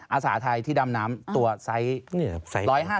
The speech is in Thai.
อาสาไทยที่ดำน้ำตัวไซส์